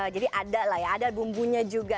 jadi ada lah ya ada bumbunya juga